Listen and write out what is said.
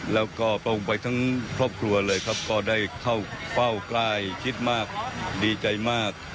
แล้วก็พระองค์ไปทั้งครอบครัวเลยครับก็ได้เข้าเฝ้าใกล้คิดมากดีใจมาก